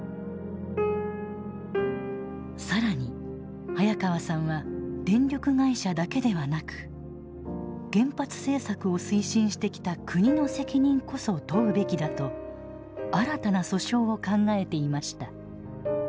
更に早川さんは電力会社だけではなく原発政策を推進してきた国の責任こそ問うべきだと新たな訴訟を考えていました。